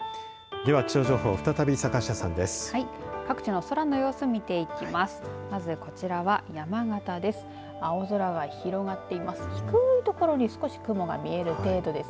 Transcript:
では気象情報再び坂下さんです。